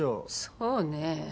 そうね。